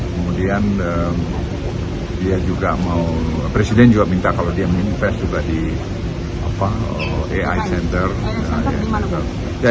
kemudian presiden juga minta kalau dia investasi juga di ai center